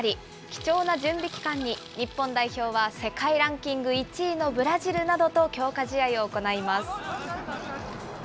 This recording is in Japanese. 貴重な準備期間に日本代表は世界ランキング１位のブラジルなどと強化試合を行います。